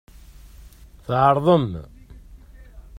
Tɛerḍem.